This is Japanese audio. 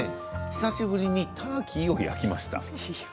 久しぶりにターキーを焼きました。